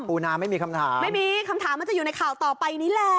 นาไม่มีคำถามไม่มีคำถามมันจะอยู่ในข่าวต่อไปนี้แหละ